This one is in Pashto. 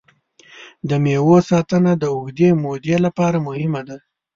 د مېوو ساتنه د اوږدې مودې لپاره مهمه ده.